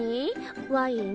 ワイン？